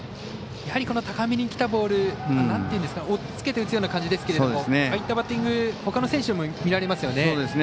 やはり高めにきたボールおっつけて打つような感じですけれどもああいったバッティングほかの選手にも見られますよね。